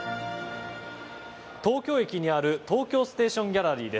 東京駅にある東京ステーションギャラリー。